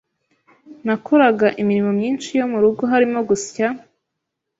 Nakoraga imirimo myinshi yo mu rugo harimo gusya,